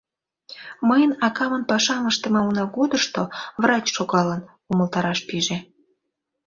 — Мыйын акамын пашам ыштыме унагудышто врач шогалын, — умылтараш пиже.